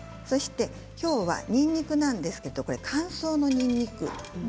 そしてきょうはにんにくなんですけれどこれ、乾燥のにんにく。